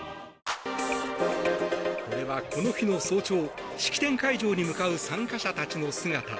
これは、この日の早朝式典会場に向かう参加者たちの姿。